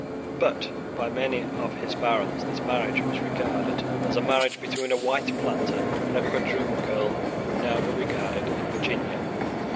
But, by many of his barons, this marriage was regarded as a marriage between a white planter and a quadroon girl would now be regarded in Virginia.